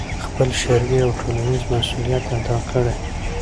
خپل شرعي او ټولنیز مسؤلیت ادا کړي،